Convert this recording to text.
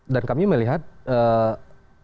dan kami melihat eh